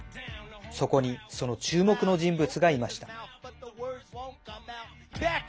そこにその注目の人物がいました。